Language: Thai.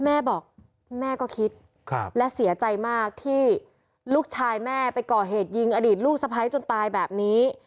แม่บอกแม่ก็คิดและเสียใจมากที่ลูกชายแม่ไปก่อเหตุยิงอดีตลูกสะพ้ายจนตายแบบนี้